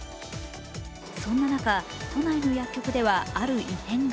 そんな中、都内の薬局ではある異変が。